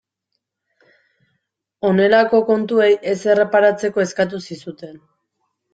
Honelako kontuei ez erreparatzeko eskatu zizuten.